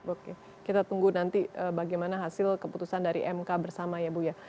oke kita tunggu nanti bagaimana hasil keputusan dari mk bersama ya bu ya